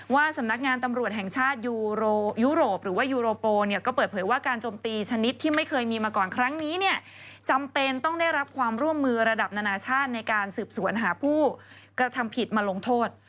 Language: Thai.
ว่าสำนักงานตำรวจแห่งชาติยูโรยุโรปหรือว่ายูโรโปเนี่ยก็เปิดเผยว่าการจมตีชนิดที่ไม่เคยมีมาก่อนครั้งนี้เนี่ยจำเป็นต้องได้รับความร่วมมือระดับนานาชาติในการสืบสวนหาผู้กระทำผิดมาลงโทษ